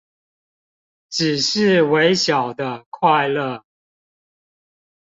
只是微小的快樂